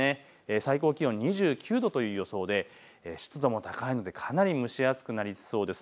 最高気温２９度という予想で湿度も高いのでかなり蒸し暑くなりそうです。